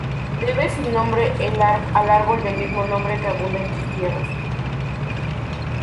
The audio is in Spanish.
Debe su nombre al árbol del mismo nombre que abunda en sus tierras.